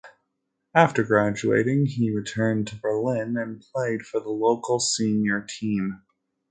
After graduating he returned to Berlin and played for the local senior team.